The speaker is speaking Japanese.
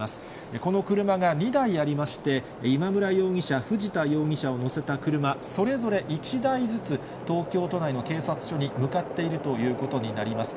この車が２台ありまして、今村容疑者、藤田容疑者を乗せた車、それぞれ１台ずつ、東京都内の警察署に向かっているということになります。